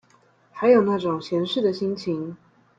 還有那種閒適的心情